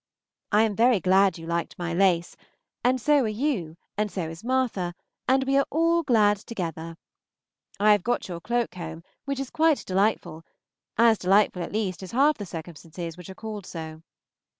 I am very glad you liked my lace, and so are you, and so is Martha, and we are all glad together. I have got your cloak home, which is quite delightful, as delightful at least as half the circumstances which are called so.